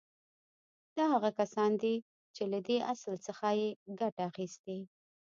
دا هغه کسان دي چې له دې اصل څخه يې ګټه اخيستې.